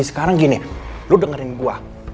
sekarang gini lu dengerin gue